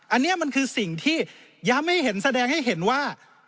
อันนี้มันคือสิ่งที่ย้ำให้เห็นแสดงให้เห็นว่า